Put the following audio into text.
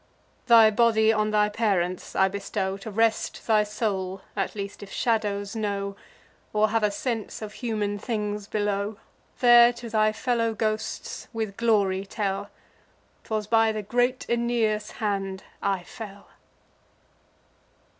Thy body on thy parents I bestow, To rest thy soul, at least, if shadows know, Or have a sense of human things below. There to thy fellow ghosts with glory tell: ''Twas by the great Aeneas hand I fell.